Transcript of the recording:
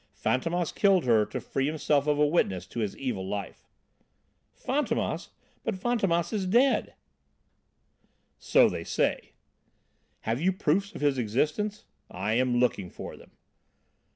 Fantômas killed her to free himself of a witness to his evil life." "Fantômas! But Fantômas is dead." "So they say." "Have you proofs of his existence?" "I am looking for them."